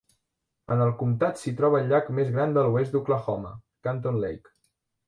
En el comptat s'hi troba el llac més gran de l'oest d'Oklahoma: Canton Lake.